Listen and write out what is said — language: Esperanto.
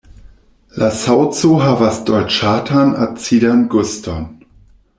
La saŭco havas dolĉetan-acidan guston.